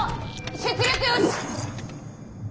出力よし！